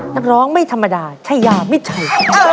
นักร้องไม่ธรรมดาชายามิดชัย